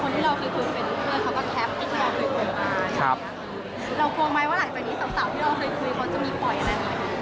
เราโกรธไหมว่าหลังจากนี้สักที่เราเคยคุยมันจะมีปล่อยอะไร